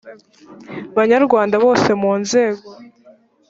banyarwanda bose mu nzego